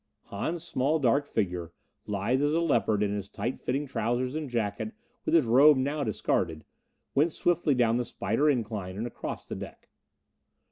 Hahn's small dark figure, lithe as a leopard in his tight fitting trousers and jacket with his robe now discarded, went swiftly down the spider incline and across the deck.